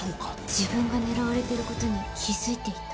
自分が狙われてる事に気づいていた？